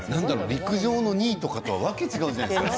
陸上の２位とは訳が違うじゃないですか。